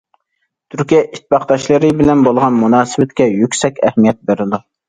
تۈركىيە ئىتتىپاقداشلىرى بىلەن بولغان مۇناسىۋىتىگە يۈكسەك ئەھمىيەت بېرىدۇ.